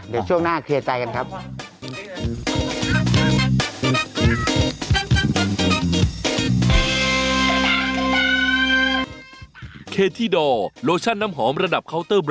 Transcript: เดี๋ยวช่วงหน้าเคลียร์ใจกันครับ